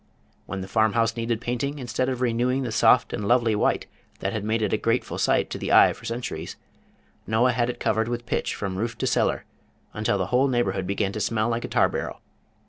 When the farmhouse needed painting, instead of renewing the soft and lovely white that had made it a grateful sight to the eye for centuries, Noah had it covered with pitch from roof to cellar, until the whole neighborhood began to smell like a tar barrel.